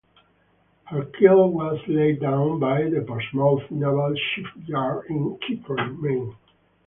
Her keel was laid down by the Portsmouth Naval Shipyard in Kittery, Maine.